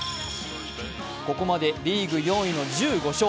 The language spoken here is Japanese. ここまでリーグ４位の１５勝。